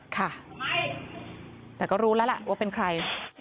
ค่ะแต่ก็รู้แล้วล่ะว่าเป็นใคร